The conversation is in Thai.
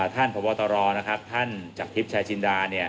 ท่านปะวตรท่านจับทิพย์ชาชินดา